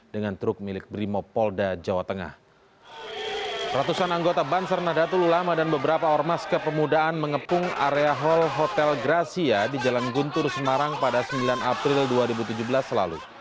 di jalan area hal hotel gracia di jalan guntur semarang pada sembilan april dua ribu tujuh belas selalu